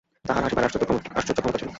তাঁহার হাসিবার আশ্চর্য ক্ষমতা ছিল।